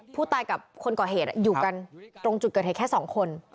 ผู้ตายกับคนก่อเหตุอยู่กันตรงจุดเกิดเหตุแค่๒คน